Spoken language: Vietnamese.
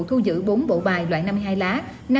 thu giữ bốn bộ bài loại năm mươi hai lá